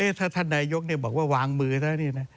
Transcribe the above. เอ๊ะถ้าท่านนายยกบอกว่าวางมือนะ